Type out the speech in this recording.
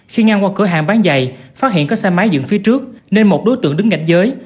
khi ngang qua cửa hàng bán giày phát hiện có xe máy dựng phía trước nên một đối tượng đứng gạch giới